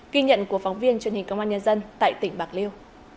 ghi nhận của phóng viên truyền hình công an nhân dân tại tỉnh bạc liêu